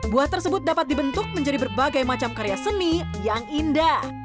buah tersebut dapat dibentuk menjadi berbagai macam karya seni yang indah